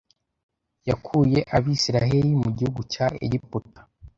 Yakuye Abisiraheli mu gihugu cya Egiputa